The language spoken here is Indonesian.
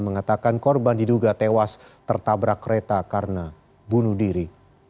mengatakan korban diduga tewas tertabrak kereta karena bunuh diri